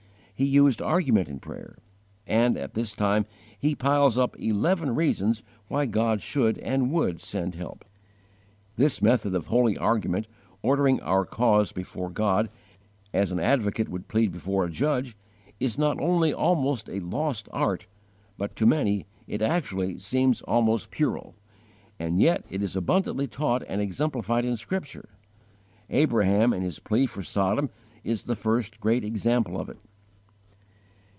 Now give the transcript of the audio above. He used argument in prayer, and at this time he piles up eleven reasons why God should and would send help. This method of holy argument ordering our cause before God, as an advocate would plead before a judge is not only almost a lost art, but to many it actually seems almost puerile. And yet it is abundantly taught and exemplified in Scripture. Abraham in his plea for Sodom is the first great example of it.